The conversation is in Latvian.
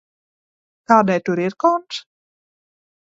Kādai tur ir konts?